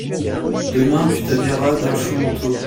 Demain te t'habilleras d'un chaud manteau.